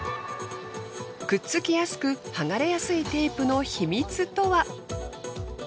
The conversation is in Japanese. くっつきやすく剥がれやすいテープの秘密とは？